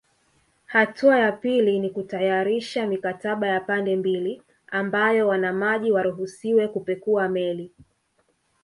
Hatua ya pili ni kutayarisha mikataba ya pande mbili ambayo wanamaji waruhusiwe kupekua meli